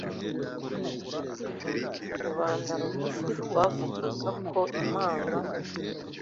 Rubanda rugufi rwavugaga ko Imana